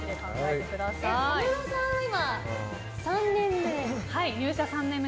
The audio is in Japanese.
小室さん、今３年目？